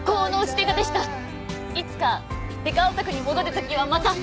いつかデカオタクに戻る時はまた。